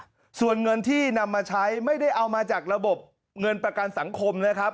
ส่วนเงินที่นำมาใช้ไม่ได้เอามาจากระบบเงินประกันสังคมนะครับ